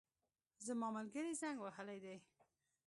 زما ملګري زنګ وهلی دی